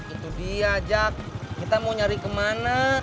itu dia jack kita mau nyari kemana